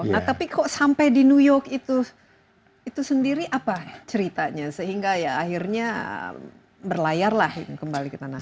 nah tapi kok sampai di new york itu itu sendiri apa ceritanya sehingga ya akhirnya berlayar lah kembali ke tanah suci